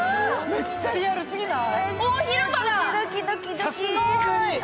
めっちゃリアルすぎない？